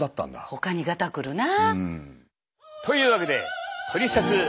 ほかにガタくるな。というわけでトリセツ